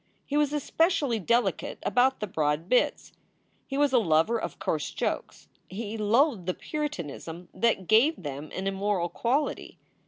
He was especially delicate about the broad bits. He was a lover of coarse jokes; he loathed the Puritanism that gave them an immoral quality.